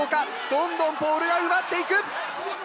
どんどんポールが埋まっていく！